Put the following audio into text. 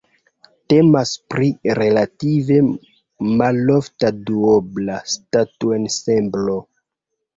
Temas pri relative malofta duobla statuensemblo.